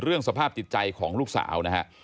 เรื่องสภาพจิตใจของลูกสาวนะฮะ